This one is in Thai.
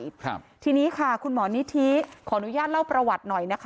ครับทีนี้ค่ะคุณหมอนิธิขออนุญาตเล่าประวัติหน่อยนะคะ